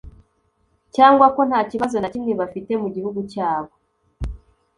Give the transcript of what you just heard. cyangwa ko nta kibazo na kimwe bafite mu gihugu cyabo